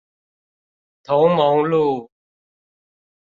同盟路